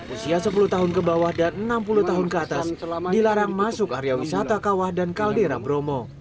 usia sepuluh tahun ke bawah dan enam puluh tahun ke atas dilarang masuk area wisata kawah dan kaldera bromo